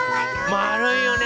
まるいよね